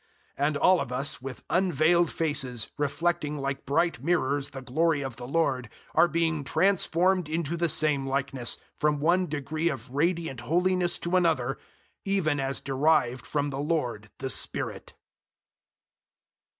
003:018 And all of us, with unveiled faces, reflecting like bright mirrors the glory of the Lord, are being transformed into the same likeness, from one degree of radiant holiness to another, even as derived from the Lord the Spirit.